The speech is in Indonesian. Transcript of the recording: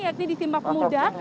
yakni di simbang pemuda